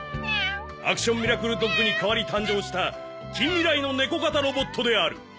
アクションミラクルドッグに代わり誕生した近未来の猫型ロボットである